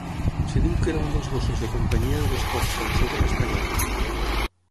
Es diu que era un dels gossos de companyia de les corts francesa i espanyola.